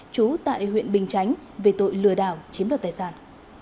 trú tại huyện bình chánh về tội lừa đảo chiếm đoạt tài sản